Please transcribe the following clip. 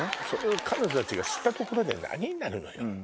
それを彼女たちが知ったところで何になるのよ？